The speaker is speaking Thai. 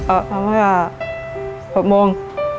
อ่ะคำว่า๖โมง